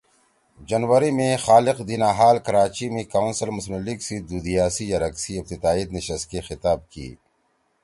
جنوری می خالق دینا حال کراچی می کونسل مسلم لیگ سی دُو دیِا سی یرک سی افتتاحی نشست کے خطاب کی